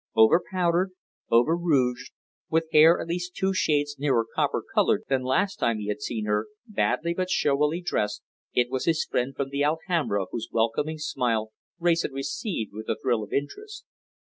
Over powdered, over rouged, with hair at least two shades nearer copper coloured than last time he had seen her, badly but showily dressed, it was his friend from the Alhambra whose welcoming smile Wrayson received with a thrill of interest.